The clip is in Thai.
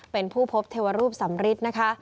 เป็นผู้พบเทวรูปสำริทนะคะ